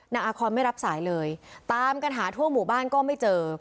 อาคอนไม่รับสายเลยตามกันหาทั่วหมู่บ้านก็ไม่เจอ